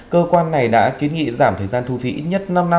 cơ quan này đã kiến nghị giảm thời gian thu phí ít nhất năm năm